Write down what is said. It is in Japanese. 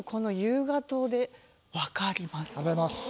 もうありがとうございます。